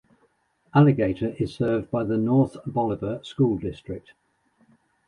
Alligator is served by the North Bolivar School District.